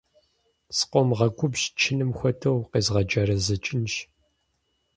Скъомгъэгубжь, чыным хуэдэу укъезгъэджэрэзэкӏынщ!